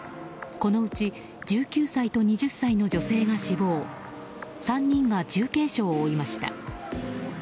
このうち１９歳と２０歳の女性が死亡３人が重軽傷を負いました。